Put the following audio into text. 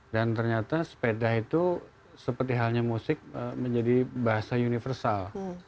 dan ternyata sepeda itu seperti halnya musik menjadi bahasa universal